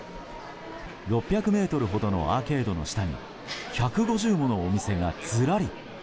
６００ｍほどのアーケードの下に１５０ものお店がずらり。